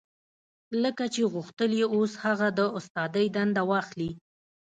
لکه چې غوښتل يې اوس هغه د استادۍ دنده واخلي.